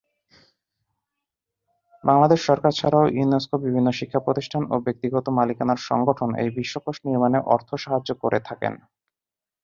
বাংলাদেশ সরকার ছাড়াও ইউনেস্কো, বিভিন্ন শিক্ষা প্রতিষ্ঠান ও ব্যক্তিগত মালিকানার সংগঠন এই বিশ্বকোষ নির্মাণে অর্থ সাহায্য করে থাকেন।